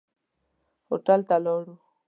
هوټل ته ولاړو.